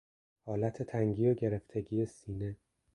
حالت تنگی و گرفتگی سینه